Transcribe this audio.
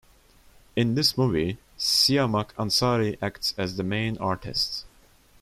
In this movie, Siamak Ansari acts as the main artist.